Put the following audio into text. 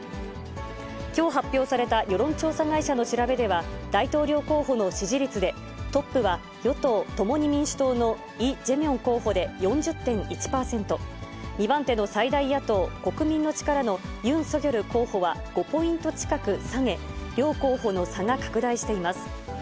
きょう発表された世論調査会社の調べでは、大統領候補の支持率で、トップは、与党・共に民主党のイ・ジェミョン候補で４０．１％、２番手の最大野党・国民の力のユン・ソギョル候補は５ポイント近く下げ、両候補の差が拡大しています。